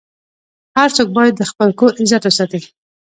هر څوک باید د خپل کور عزت وساتي.